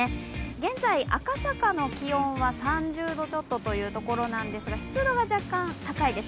現在、赤坂の気温は３０度ちょっとということなんですが、湿度が若干高いです。